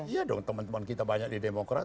iya dong teman teman kita banyak di demokrat